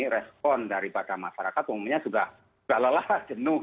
respon daripada masyarakat umumnya sudah lelah jenuh